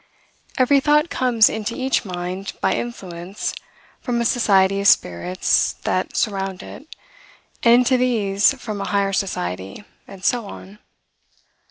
Every thought comes into each mind by influence from a society of spirits that surround it, and into these from a higher society, and so on.